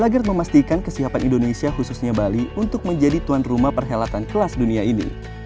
agar memastikan kesiapan indonesia khususnya bali untuk menjadi tuan rumah perhelatan kelas dunia ini